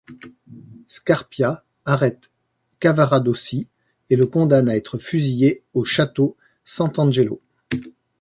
Scarpia arrête Cavaradossi et le condamne à être fusillé au château Sant'Angelo.